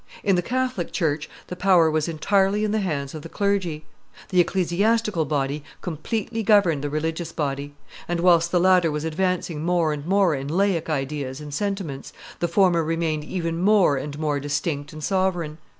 In the Catholic church the power was entirely in the hands of the clergy; the ecclesiastical body completely governed the religious body; and, whilst the latter was advancing more and more in laic ideas and sentiments, the former remained even more and more distinct and sovereign.